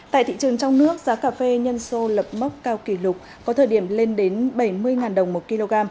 tại thị trường trong nước giá cà phê nhân sô lập mốc cao kỷ lục có thời điểm lên đến bảy mươi đồng một kg